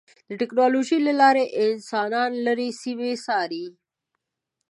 د ټکنالوجۍ له لارې انسانان لرې سیمې څاري.